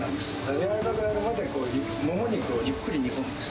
やわらかくなるまで、もも肉をゆっくり煮込むんです。